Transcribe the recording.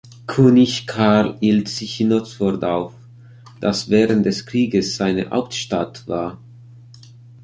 König Karl hielt sich in Oxford auf, das während des Krieges seine Hauptstadt war.